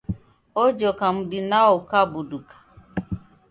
Ojoka m'di nwao ukabuduka.